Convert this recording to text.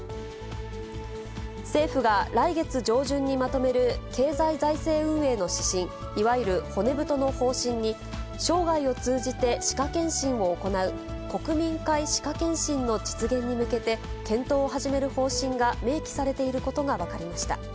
政府が来月上旬にまとめる経済財政運営の指針、いわゆる骨太の方針に、生涯を通じて歯科検診を行う国民皆歯科検診の実現に向けて検討を始める方針が明記されていることが分かりました。